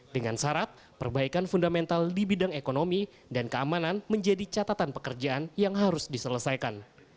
dengan syarat perbaikan fundamental di bidang ekonomi dan keamanan menjadi catatan pekerjaan yang harus diselesaikan